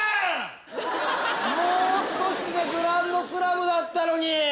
もう少しでグランドスラムだったのに！